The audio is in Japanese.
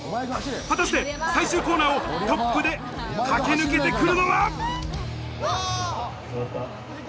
果たして最終コーナーをトップで駆け抜けてくるのは。